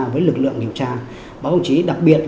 với lực lượng điều tra báo chí đặc biệt